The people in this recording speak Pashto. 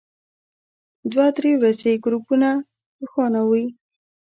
دوه درې ورځې ګروپونه روښانه وي.